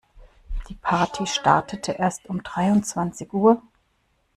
Die Party startete erst um dreiundzwanzig Uhr?